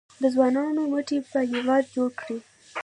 د ځوانانو مټې به هیواد جوړ کړي؟